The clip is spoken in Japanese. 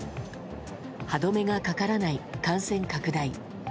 歯止めがかからない感染拡大。